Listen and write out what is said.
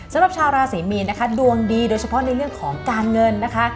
สำหรับชาวราศรีมีนนะคะดวงดีโดยเฉพาะในเรื่องของการเงินนะคะ